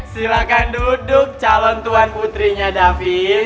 silahkan duduk calon tuan putrinya david